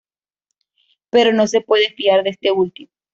Pero no se puede fiar de este último.